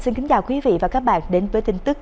xin kính chào quý vị và các bạn đến với kinh tế phương nam